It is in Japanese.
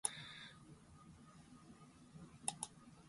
当時は、柳暗花明の風流のちまたであったわけで、